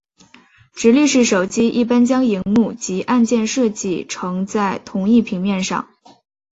直立式手机一般将萤幕及按键设计成在同一平面上。